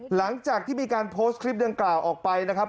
หลังจากที่มีการโพสต์คลิปดังกล่าวออกไปนะครับ